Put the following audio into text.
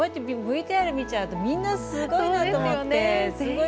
ＶＴＲ見ちゃうとみんな、すごいなと思って。